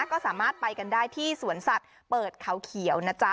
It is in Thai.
ก็สามารถไปกันได้ที่สวนสัตว์เปิดเขาเขียวนะจ๊ะ